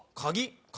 鍵？